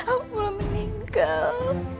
aku belum meninggal